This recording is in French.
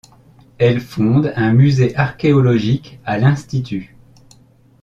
Elle fonde un musée archéologique à l'institut.